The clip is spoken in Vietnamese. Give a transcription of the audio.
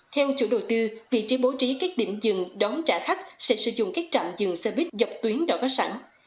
theo chủ đầu tư vị trí bố trí các điểm dừng đón trả khách sẽ sử dụng các trạm dừng xe buýt dọc tuyến đỏ có sẵn